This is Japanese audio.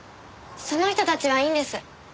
その人たちはいいんです。